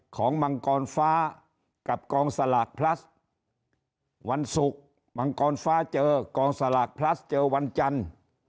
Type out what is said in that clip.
มังกรฟ้ากับกองสลากพลัสวันศุกร์มังกรฟ้าเจอกองสลากพลัสเจอวันจันทร์